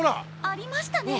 ありましたね！